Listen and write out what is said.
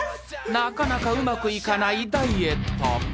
［なかなかうまくいかないダイエット］